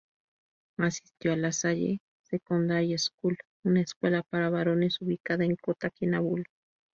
Asistió a La Salle Secondary School, una escuela para varones, ubicada en Kota Kinabalu.